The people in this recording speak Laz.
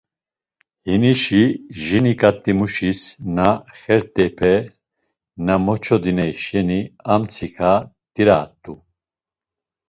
Hinişi jini ǩat̆imuşis na xert̆eype na moçodiney şeni amtsika diraat̆u.